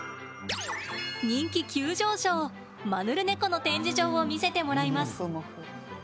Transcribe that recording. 人気急上昇マヌルネコの展示場を見せてもらいます。